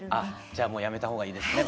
じゃもうやめた方がいいですね